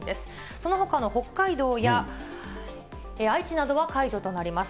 そのほかの北海道や愛知などは解除となります。